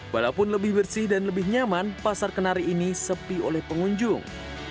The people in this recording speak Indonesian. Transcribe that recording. walaupun lebih bersih dan lebih nyaman pasar kenari ini sepi oleh pengunjung